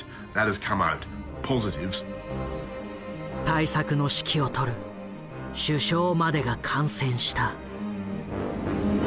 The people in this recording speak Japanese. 対策の指揮を執る首相までが感染した。